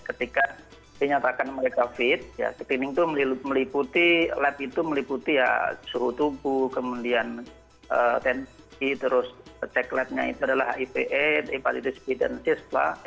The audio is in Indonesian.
ketika dinyatakan mereka fit screening itu meliputi lab itu meliputi ya suhu tubuh kemudian tensi terus cek labnya itu adalah aipa evaluative speed and system